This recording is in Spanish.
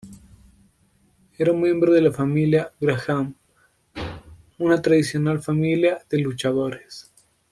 Era un miembro de la familia Graham, una tradicional familia de luchadores.